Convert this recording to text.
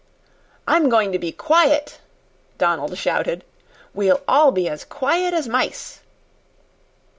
"I'm going to be quiet," Donald shouted. "We'll all be as quiet as mice."